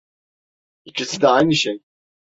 İkisi de aynı şey.